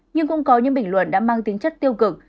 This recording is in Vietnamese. nhưng cũng có những bình luận đã mang tính chất tiêu cực